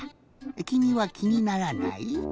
きみはきにならない？